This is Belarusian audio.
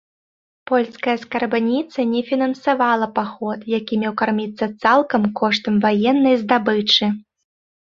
Польская скарбніца не фінансавала паход, які меў карміцца цалкам коштам ваеннай здабычы.